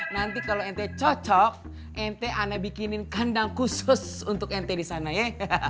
nanti kalau ente cocok ente aneh bikinin kandang khusus untuk ente disana ya